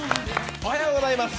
おはようございます